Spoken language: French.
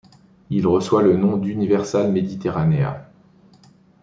Il reçoit le nom d'Universal Mediterranea.